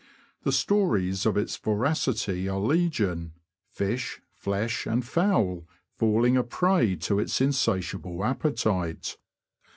The stories of its voracity are legion, fish, flesh, and fowl, falling a prey to its insatiable appetite.